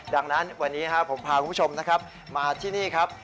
ดังนั้นวันนี้ผมพาคุณผู้ชมนะครับมาที่นี่ครับ